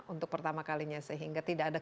untuk pertama kalinya sehingga tidak ada